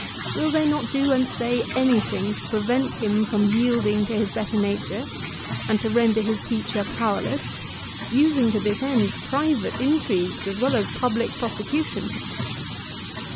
Will they not do and say anything to prevent him from yielding to his better nature and to render his teacher powerless, using to this end private intrigues as well as public prosecutions?